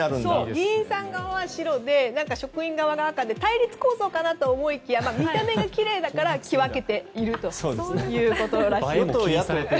議員さん側は白で職員側が赤で対立構造かなと思いきや見た目がきれいだから着分けているということらしいです。